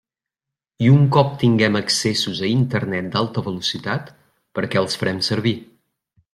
I un cop tinguem accessos a Internet d'alta velocitat, per a què els farem servir?